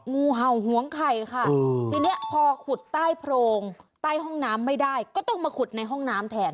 งูเห่าหวงไข่ค่ะทีนี้พอขุดใต้โพรงใต้ห้องน้ำไม่ได้ก็ต้องมาขุดในห้องน้ำแทน